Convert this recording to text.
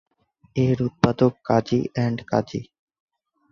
এর উৎপাদক কাজী এন্ড কাজী।